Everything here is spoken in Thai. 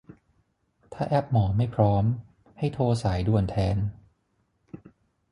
ถ้าแอปหมอไม่พร้อม ให้โทรสายด่วนแทน